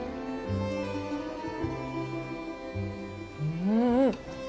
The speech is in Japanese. うん。